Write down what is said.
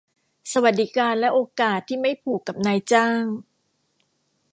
สวัสดิการและโอกาสที่ไม่ผูกกับนายจ้าง